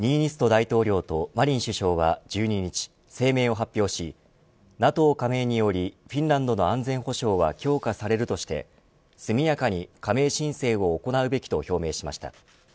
大統領とマリン首相は１２日声明を発表しＮＡＴＯ加盟によりフィンランドの安全保障は強化されるとして速やかに加盟申請を行うべきと表明しました。